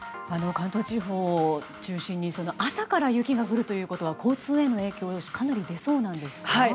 関東地方を中心に朝から雪が降るということは交通への影響かなり出そうなんですか？